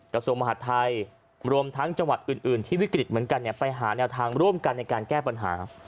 กระทรวงมหาดไทยรวมทั้งจังหวัดอื่นที่วิกฤตเหมือนกันไปหาแนวทางร่วมกันในการแก้ปัญหา